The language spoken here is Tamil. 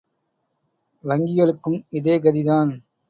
வங்கிகளுக்கும் இதே கதிதான்!